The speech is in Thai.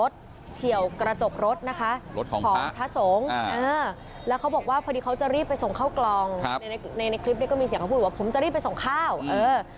เสียงเขาพูดว่าผมจะรีบไปส่งข้าวเออ